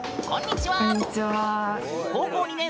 こんにちは！